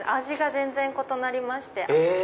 味が全然異なりまして。